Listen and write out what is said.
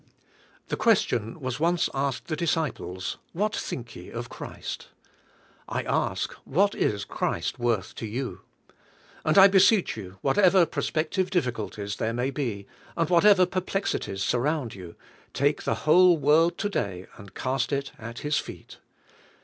The question was once asked the disciples, ''What think ye of Christ?" I ask, "What is Christ worth to you?" And I beseech you, whatever prospective difficul ties there ma}^ be, and whatever perplexities sur round you, take the whole world to day and cast it at His feet.